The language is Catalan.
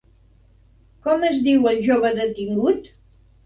Com es diu el jove detingut?